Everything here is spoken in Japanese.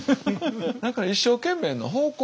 だから一生懸命の方向をね